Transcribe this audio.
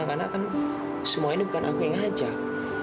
karena kan semua ini bukan aku yang ngajak